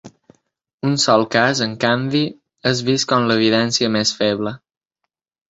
Un sol cas, en canvi, és vist com l’evidència més feble.